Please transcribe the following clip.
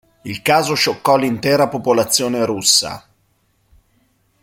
Il caso scioccò l'intera popolazione russa.